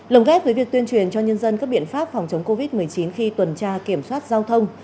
lồng ghép với việc tuyên truyền cho nhân dân các biện pháp phòng chống covid một mươi chín khi tuần tra kiểm soát giao thông